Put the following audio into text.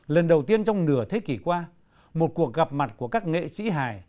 lần đầu tiên trong nửa thế kỷ qua một cuộc gặp mặt của các nghệ sĩ hài